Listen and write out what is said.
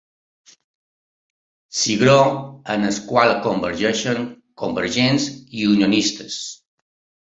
Cigró en el qual convergeixen convergents i unionistes.